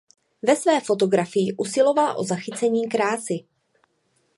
Ve své fotografii usilovala o zachycení krásy.